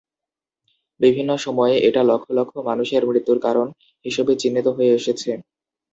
বিভিন্ন সময়ে এটা লক্ষ লক্ষ মানুষের মৃত্যুর কারণ হিসেবে চিহ্নিত হয়ে এসেছে।